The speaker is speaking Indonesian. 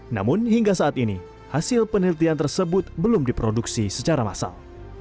namun hingga saat ini hasil penelitian tersebut belum diproduksi secara massal